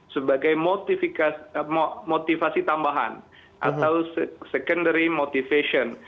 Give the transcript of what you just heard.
sebagai motivasi tambahan atau secondary motivation